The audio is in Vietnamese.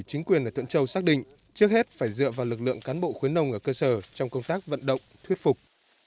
chính quyền ở thuận châu xác định trước hết phải dựa vào lực lượng cán bộ khuyến nông ở cơ sở trong công tác vận động thuyết phục